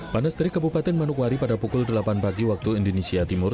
panas dari kabupaten manukwari pada pukul delapan pagi waktu indonesia timur